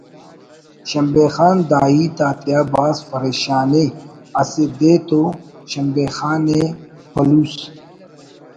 شمبے خان دا ہیت آتیا بھاز فریشان ءِ اسہ دے تو شمبے خان ءِ پلوس